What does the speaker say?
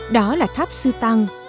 đó là tháp sư tăng